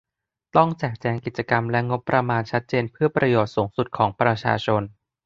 ต้องแจกแจงกิจกรรมและงบประมาณชัดเจนเพื่อประโยชน์สูงสุดของประชาชน